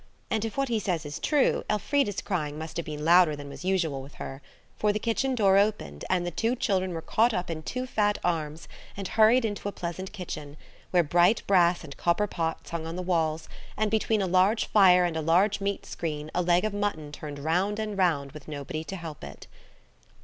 And if what he says is true, Elfrida's crying must have been louder than was usual with her; for the kitchen door opened, and the two children were caught up in two fat arms and hurried into a pleasant kitchen, where bright brass and copper pots hung on the walls, and between a large fire and a large meat screen a leg of mutton turned round and round with nobody to help it.